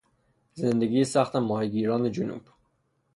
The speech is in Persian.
زندگی سخت ماهیگیران جنوب